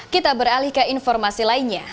kita beralih ke informasi lainnya